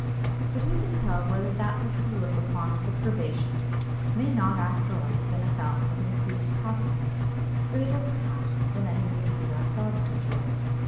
But who can tell whether that which we look upon as a privation may not after all be a fountain of increased happiness, greater, perhaps, than any which we ourselves enjoy?